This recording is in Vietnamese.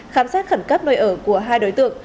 khám xét khẩn cấp nơi ở của hai đối tượng